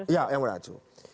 ya yang beraju